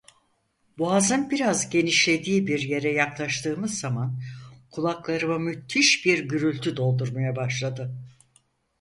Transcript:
Boğazın biraz genişlediği bir yere yaklaştığımız zaman, kulaklarımı müthiş bir gürültü doldurmaya başladı.